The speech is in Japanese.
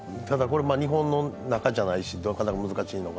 日本の中じゃないしなかなか難しいのが。